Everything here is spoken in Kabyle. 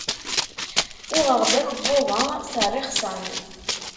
Uɣeɣ-d akebbuḍ-a s rrixsan.